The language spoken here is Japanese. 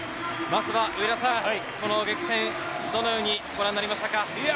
まずは上田さん、この激戦、どのようにご覧になりましたか？